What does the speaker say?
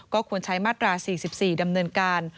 ก็ควรใช้มาตรา๔๔ดำเนินการ